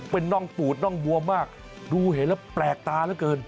เป็นน่องปูดน่องบัวมากดูเห็นแล้วแปลกตาเหลือเกิน